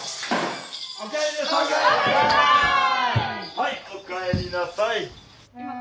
はいおかえりなさい。